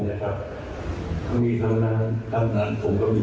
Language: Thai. แต่จะกันโดยเหตุการณ์ตอนทักตัวเขาเอง